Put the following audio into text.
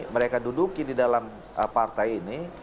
mereka duduki di dalam partai ini